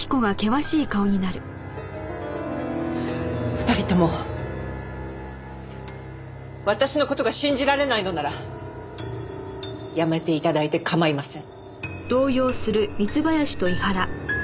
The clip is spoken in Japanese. ２人とも私の事が信じられないのなら辞めて頂いて構いません。